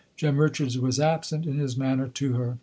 Jem Richards was absent in his manner to her.